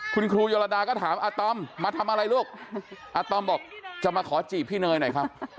คุณครูโยดาก็ถามอาตอมมาทำอะไรลูกอาตอมบอกจะมาขอจีบพี่เนยหน่อยครับ